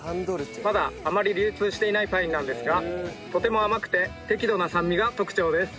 まだあまり流通していないパインなんですがとても甘くて適度な酸味が特徴です。